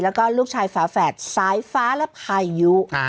แล้วก็ลูกชายฝาแฝดสายฟ้าและพายุ